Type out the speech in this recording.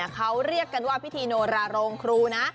เขาเรียกกันว่าพิธีโนราโรงครูนะ